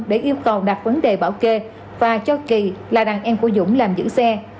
để yêu cầu đặt vấn đề bảo kê và cho kỳ là đàn em của dũng làm giữ xe